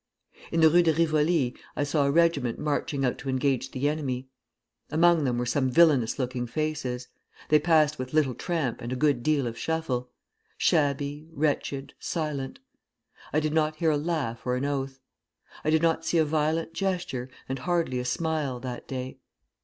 "In the Rue de Rivoli I saw a regiment marching out to engage the enemy. Among them were some villanous looking faces. They passed with little tramp and a good deal of shuffle, shabby, wretched, silent. I did not hear a laugh or an oath; I did not see a violent gesture, and hardly a smile, that day.